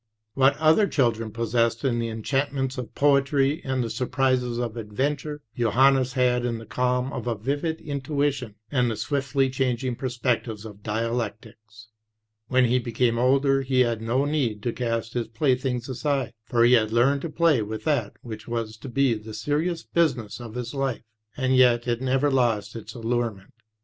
"What other children possessed in the enchantments of poetry and the surprises of adventure, Johannes had in the calm of a vivid intuition and the swiftly changing perspectives of dialectics. When he became older he had no need to cast his playthings aside, for he had learned to play with that which was to be the serious business of his life; and yet it never lost its allurement.